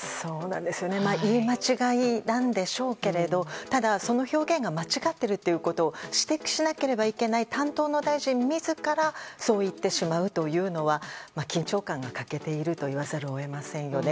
言い間違いなんでしょうけれどただ、その表現が間違っているということを指摘しなければいけない担当の大臣自らそう言ってしまうというのは緊張感が欠けていると言わざるを得ませんよね。